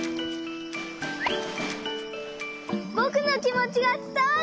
ぼくのきもちがつたわった！